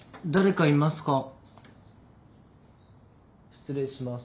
失礼します。